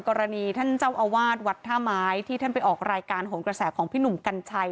กรณีท่านเจ้าอาวาสวัดท่าไม้ที่ท่านไปออกรายการโหนกระแสของพี่หนุ่มกัญชัย